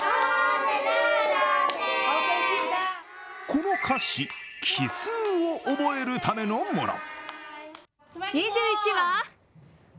この歌詞、奇数を覚えるためのもの。